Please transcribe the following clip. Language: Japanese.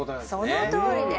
そのとおりです。